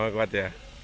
oh kuat ya